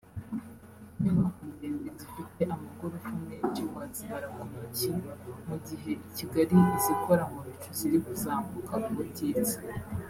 inyubako ndende zifite amagorofa menshi wazibara ku ntoki mu gihe i Kigali izikora mu bicu ziri kuzamuka ubutitsa